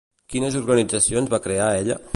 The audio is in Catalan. Quines organitzacions va crear ella?